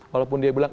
walaupun dia bilang